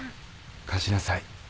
貸しなさい。